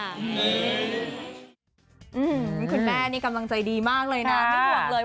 คุณแม่นี่กำลังใจดีมากเลยนะไม่ห่วงเลย